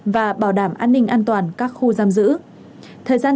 và bảo đảm các nội dung của các cơ quan